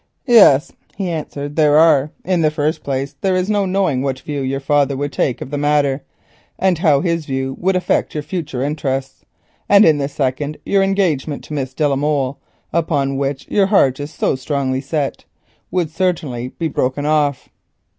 "Yes," he answered, "there are. In the first place there is no knowing in what light your father would look on the matter and how his view of it would affect your future interests. In the second your engagement to Miss de la Molle, upon which you are strongly set, would certainly be broken off."